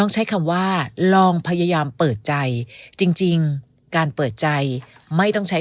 ใช้คำว่าลองพยายามเปิดใจจริงการเปิดใจไม่ต้องใช้